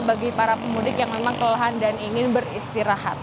bagi para pemudik yang memang kelelahan dan ingin beristirahat